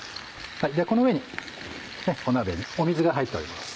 この上にお鍋水が入っております。